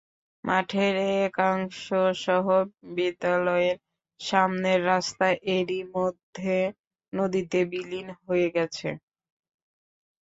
মাঠের একাংশসহ বিদ্যালয়ের সামনের রাস্তা এরই মধ্যে নদীতে বিলীন হয়ে গেছে।